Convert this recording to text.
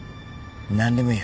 何でもいい。